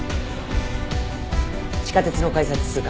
地下鉄の改札通過。